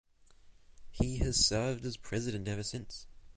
He has served as president ever since.